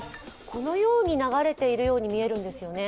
このように流れているように見えるんですよね。